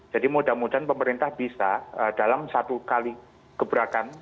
jadi mudah mudahan pemerintah bisa dalam satu kali keberakan